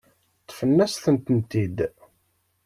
Ṭṭfet-asen-tent-id.